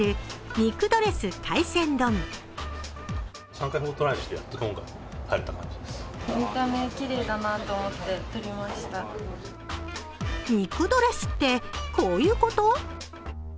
肉ドレスってこういうこと？